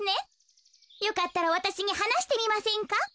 よかったらわたしにはなしてみませんか？